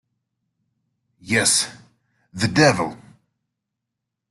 Yes... the devil!